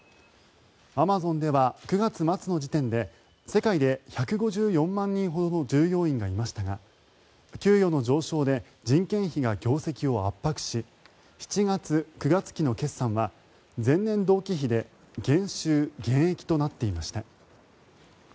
アマゾンでは９月末の時点で世界で１５４万人ほどの従業員がいましたが給与の上昇で人件費が業績を圧迫し７月−９月期の決算は前年同期比で減収減益となっていました。